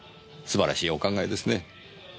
素晴らしいお考えですね。